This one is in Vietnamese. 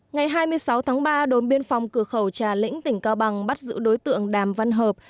ngày hai mươi sáu tháng ba đồn biên phòng cửa khẩu trà lĩnh tỉnh cao bằng bắt giữ đối tượng đàm văn hợp